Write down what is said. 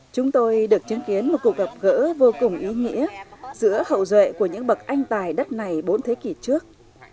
chúng tôi được chứng kiến một cuộc gặp gỡ vô cùng ý nghĩa giữa hậu duệ của những bậc anh tài đất này bốn thế kỷ trước